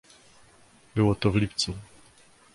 "Było to w lipcu."